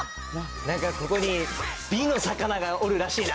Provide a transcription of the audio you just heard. なんかここに美の魚がおるらしいな。